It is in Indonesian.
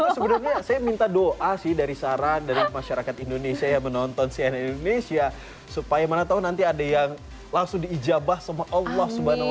sebenarnya saya minta doa sih dari saran dari masyarakat indonesia yang menonton cnn indonesia supaya mana tau nanti ada yang langsung diijabah sama allah swt